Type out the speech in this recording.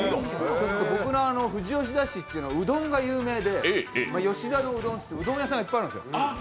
僕の富士吉田市は、うどんが有名で吉田のうどんってうどん屋さんがいっぱいあるんですよ。